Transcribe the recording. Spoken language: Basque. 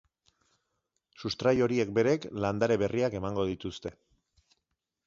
Sustrai horiek berek landare berriak emango dituzte.